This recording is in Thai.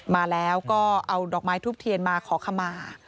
มาแล้วก็เอาดอกไม้ทุบเทียนมาขอขมา